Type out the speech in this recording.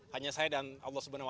hanya saya dan allah swt yang tahu